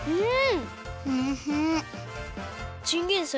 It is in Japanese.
うん！